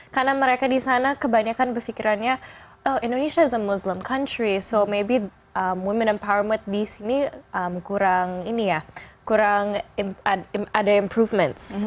karena mereka di sana kebanyakan berpikirannya indonesia is a muslim country so maybe women empowerment di sini kurang ada improvements